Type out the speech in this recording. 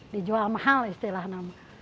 dijual mahal istilahnya